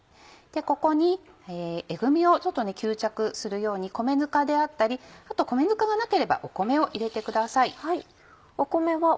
ここにえぐみをちょっと吸着するように米ぬかであったり米ぬかがなければ米を入れてください。